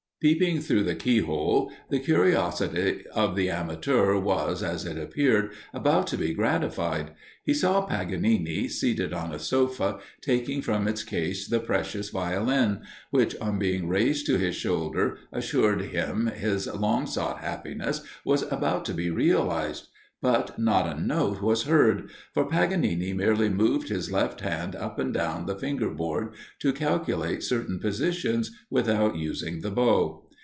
Peeping through the keyhole, the curiosity of the amateur was, as it appeared, about to be gratified. He saw Paganini, seated on a sofa, taking from its case the precious Violin, which, on being raised to his shoulder, assured him his long sought happiness was about to be realized; but not a note was heard, for Paganini merely moved his left hand up and down the finger board, to calculate certain positions, without using the bow.